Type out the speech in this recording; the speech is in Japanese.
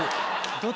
どっち？